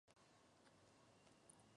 Díaz respondió: ""Sí.